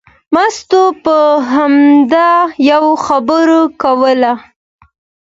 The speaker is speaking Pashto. مستو به همدا یوه خبره کوله.